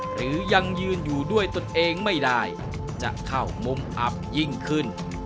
หรือยังยืนอยู่ด้วยตนเองไม่ได้จะเข้ามุมอับยิ่งขึ้น